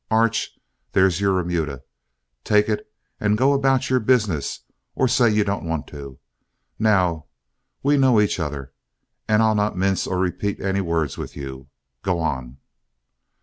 Arch, there's your remuda. Take it and go about your business or say you don't want to. Now, we know each other, and I'll not mince or repeat any words with you. Go on."